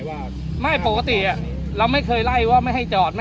โบ๊ดมาวเล็กตีหัวผม